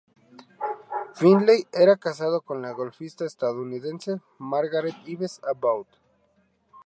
Finley era casado con la golfista estadounidense Margaret Ives Abbott.